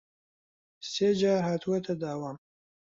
سێ جار هاتووەتە داوام